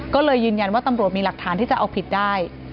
ก็เลยยืนยันว่าตำรวจมีหลักฐานที่จะเอาผิดได้